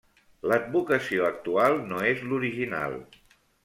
L'advocació actual no és l'original.